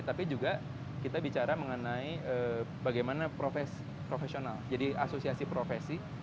tapi juga kita bicara mengenai bagaimana profesional jadi asosiasi profesi